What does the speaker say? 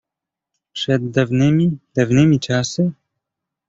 "Przed dawnymi, dawnymi czasy?"